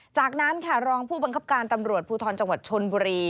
จากนั้นค่ะรองผู้บังคับการตำรวจภูทรจังหวัดชนบุรี